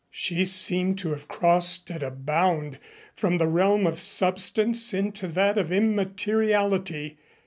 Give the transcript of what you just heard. She seemed to have crossed at a bound, from the realm of substance into that of immateriality.